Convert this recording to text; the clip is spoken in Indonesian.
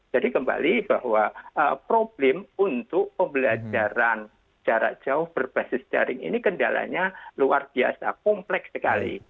jadi kembali bahwa problem untuk pembelajaran jarak jauh berbasis daring ini kendalanya luar biasa kompleks sekali